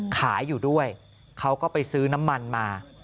ขายอยู่ด้วยเขาก็ไปซื้อน้ำมันมา